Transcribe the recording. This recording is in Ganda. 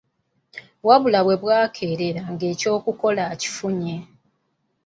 Wabula we bwakeerera ng'ekyokukola akifunye.